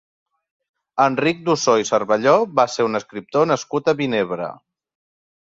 Enric d'Ossó i Cervelló va ser un escriptor nascut a Vinebre.